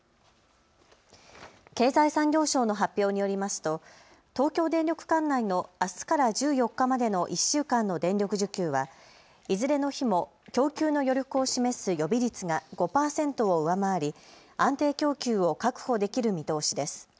経済産業省の発表によりますと東京電力管内のあすから１４日までの１週間の電力需給はいずれの日も供給の余力を示す予備率が５％を上回り安定供給を確保できる見通しです。